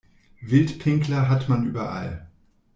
Wildpinkler hat man überall.